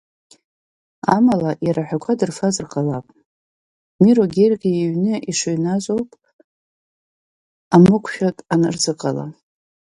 Амала, иара аҳәақәа дырфазар ҟалап, Миро Гергиа иҩны ишыҩназоуп амықәшәатә анырзыҟала.